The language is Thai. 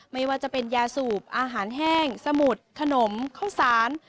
ไม่ว่าจะเป็นยาสูบอาหารแห้งสมุดขนมข้าวสาร